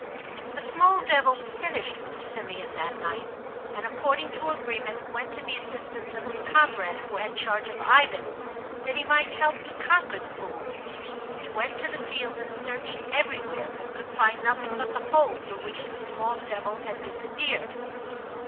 The small devil finished with Simeon that night, and according to agreement went to the assistance of his comrade who had charge of Ivan, that he might help to conquer the Fool. He went to the field and searched everywhere, but could find nothing but the hole through which the small devil had disappeared.